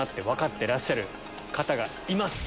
てらっしゃる方がいます。